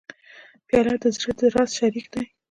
پیاله د زړه د راز شریک دی.